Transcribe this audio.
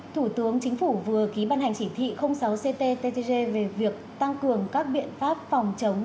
thủ tướng chính phủ vừa ký ban hành chỉ thị sáu cttg về việc tăng cường các biện pháp phòng chống